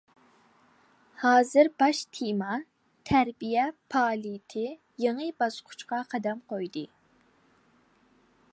ھازىر باش تېما تەربىيە پائالىيىتى يېڭى باسقۇچقا قەدەم قويدى.